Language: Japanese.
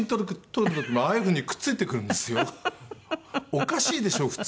おかしいでしょ普通。